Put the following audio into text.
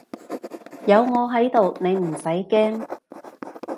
有我喺度你唔使驚